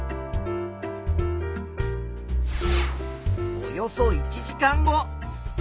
およそ１時間後。